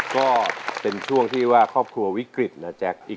ก็เป็นช่วงที่ว่าครอบครัววิกฤตนะแจ็คอีกหน่อยเนี่ยพี่